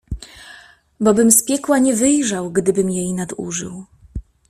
"Bo bym z piekła nie wyjrzał, gdybym jej nadużył."